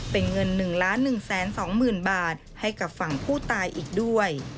เป็นเงิน๑๑๒๐๐๐บาทให้กับฝั่งผู้ตายอีกด้วย